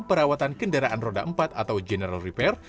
perawatan kendaraan roda empat atau general repair